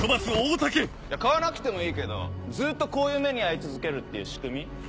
買わなくてもいいけどずっとこういう目に遭い続けるっていう仕組み。